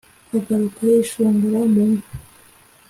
agaruka yishongora mu nka